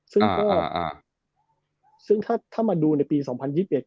ซึ่งก็อ่าซึ่งถ้าถ้ามาดูในปีสองพันยี่สิบเอ็